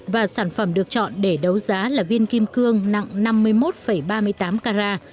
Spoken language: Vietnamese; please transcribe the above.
và sản phẩm được chọn để đấu giá là viên kim cương nặng năm mươi một ba mươi tám carat